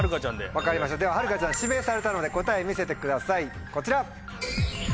でははるかちゃん指名されたので答え見せてくださいこちら！